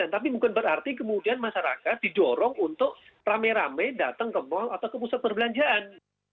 tapi bukan berarti kemudian masyarakat didorong untuk rame rame datang ke mall atau ke pusat perbelanjaan